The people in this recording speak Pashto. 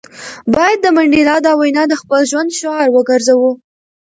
باید د منډېلا دا وینا د خپل ژوند شعار وګرځوو.